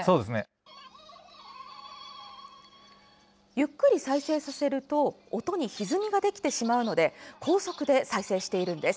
ゆっくり再生させると音にひずみができてしまうので高速で再生しているんです。